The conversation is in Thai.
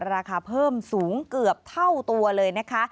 ราคาเพิ่มสูงเกือบเท่าตัวเลยนะคะ